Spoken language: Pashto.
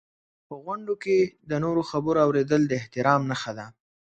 په غونډو کې د نورو خبرو اورېدل د احترام نښه ده.